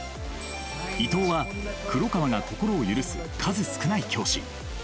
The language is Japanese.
伊藤は黒川が心を許す数少ない教師。